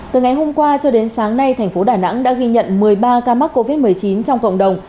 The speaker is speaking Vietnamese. từ ngày hôm qua cho đến sáng nay thành phố đà nẵng đã ghi nhận một mươi ba ca mắc covid một mươi chín trong cộng đồng